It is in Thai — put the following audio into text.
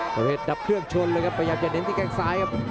ประเภทดับเครื่องชนเลยครับพยายามจะเน้นที่แข้งซ้ายครับ